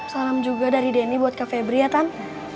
salam juga dari denny buat kak febri ya tan